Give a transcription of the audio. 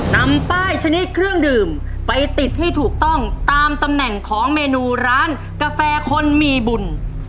นำป้ายชนิดเครื่องดื่มไปติดให้ถูกต้องตามตำแหน่งของเมนูร้านกาแฟคนมีบุญ